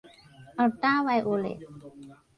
อัลตราไวโอเลต